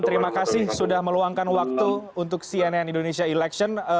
terima kasih sudah meluangkan waktu untuk cnn indonesia election